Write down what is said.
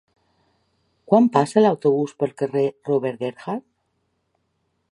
Quan passa l'autobús pel carrer Robert Gerhard?